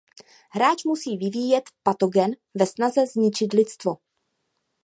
Hráč musí vyvíjet patogen ve snaze zničit lidstvo.